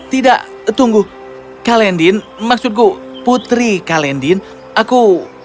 tidak tunggu kalendin maksudku putri kalendin aku